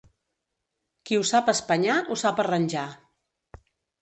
Qui ho sap espanyar, ho sap arranjar.